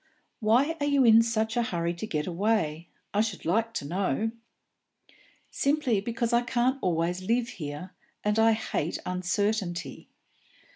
"Why are you in such a hurry to get away, I should like to know?" "Simply because I can't always live here, and I hate uncertainty."